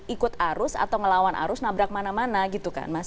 ikut arus atau ngelawan arus nabrak mana mana gitu kan mas